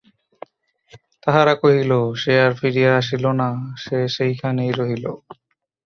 তাহারা কহিল, সে আর ফিরিয়া আসিল না, সে সেইখানেই রহিল।